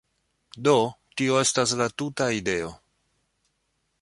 Do, tio estas la tuta ideo